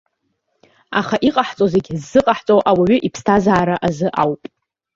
Аха иҟаҳҵо зегьы ззыҟаҳҵо ауаҩы иԥсҭазаара азы ауп.